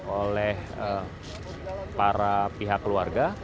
oleh para pihak keluarga